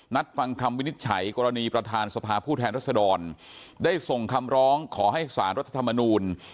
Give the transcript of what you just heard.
ฟังคำวินิจฉัยกรณีประธานสภาผู้แทนรัศดรได้ส่งคำร้องขอให้สารรัฐธรรมนูล